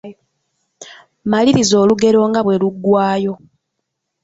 Maliriza olugero nga bwe luggwayo.